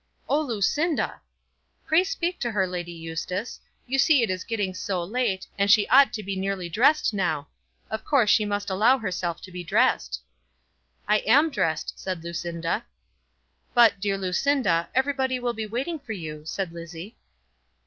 "Oh, Lucinda!" "Pray speak to her, Lady Eustace. You see it is getting so late, and she ought to be nearly dressed now. Of course she must allow herself to be dressed." "I am dressed," said Lucinda. "But, dear Lucinda, everybody will be waiting for you," said Lizzie.